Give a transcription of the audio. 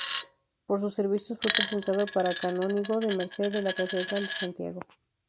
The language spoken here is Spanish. Por sus servicios fue presentado para canónigo de merced de la Catedral de Santiago.